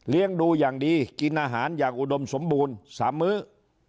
เลี้ยงดูอย่างดีกินอาหารอย่างอุดมสมบูรณ์สามมือ